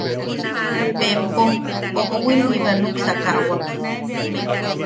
Bempo, oʼowim jiba, nuksakawak.